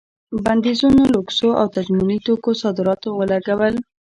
بندیزونو لوکسو او تجملي توکو صادراتو ولګول.